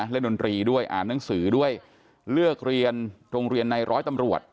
ดนตรีด้วยอ่านหนังสือด้วยเลือกเรียนโรงเรียนในร้อยตำรวจ